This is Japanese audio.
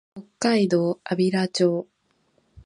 北海道安平町